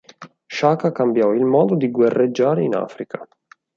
Shaka cambiò il modo di guerreggiare in Africa.